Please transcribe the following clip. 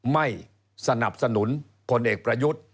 ไม่สนับสนุนพลเอกประยุทธ์